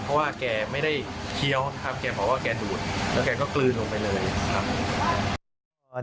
เพราะว่าแกไม่ได้เคี้ยวนะครับแกบอกว่าแกดูดแล้วแกก็กลืนลงไปเลยครับ